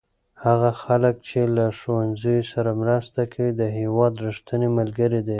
هغه خلک چې له ښوونځیو سره مرسته کوي د هېواد رښتیني ملګري دي.